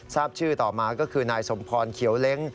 ทราบชื่อต่อมาก็คือนายสมพรเขียวเล้ง